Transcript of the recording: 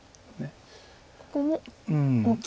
ここも大きい。